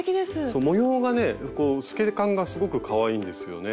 そう模様がね透け感がすごくかわいいんですよね。